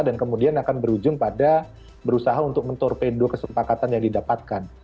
dan kemudian akan berujung pada berusaha untuk mentorpedo kesepakatan yang didapatkan